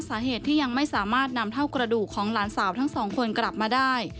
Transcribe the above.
สาเหตุที่ยังไม่สามารถนำเท่ากระดูกของหลานสาวทั้งสองคนกลับมาได้